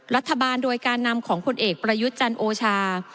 รัฐบาลโดยการนำของผลเอกประยุทธ์จันทร์โอชา